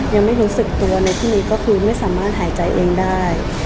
ยังไม่รู้สึกตัวในที่นี้ก็คือไม่สามารถหายใจเองได้